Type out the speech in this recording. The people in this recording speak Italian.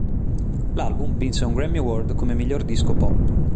L'album vinse un Grammy Award come miglior disco Pop.